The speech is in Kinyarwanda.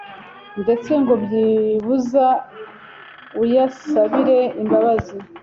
ndetse ngo byibuza uyasabire imbabazi.